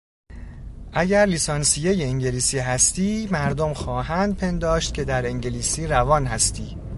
اگر لیسانسیهی انگلیسی هستی مردم خواهند پنداشت که در انگلیسی روان هستی.